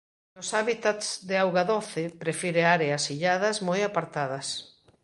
Nos hábitats de auga doce prefire áreas illadas moi apartadas.